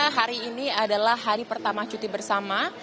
hari ini adalah hari pertama cuti bersama